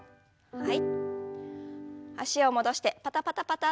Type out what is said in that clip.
はい。